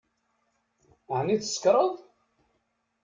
Ɛni tsekṛeḍ?